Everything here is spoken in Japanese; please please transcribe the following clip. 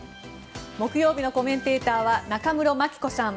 木曜日のコメンテーターは中室牧子さん